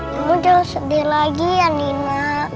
kamu jangan sedih lagi ya nina